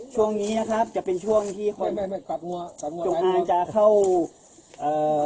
ช่วงนี้นะครับจะเป็นช่วงที่คนจงอ้างจะเข้าเอ่อ